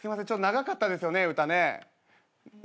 長かったですよね？